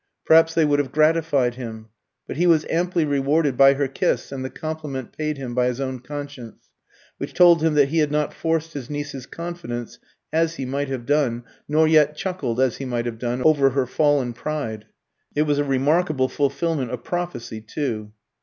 Perhaps they would have gratified him. But he was amply rewarded by her kiss and the compliment paid him by his own conscience, which told him that he had not forced his niece's confidence, as he might have done, nor yet chuckled, as he might have done, over her fallen pride. It was a remarkable fulfilment of prophecy, too.